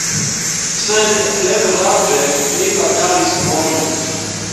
Sed negrave: mi batalis bone.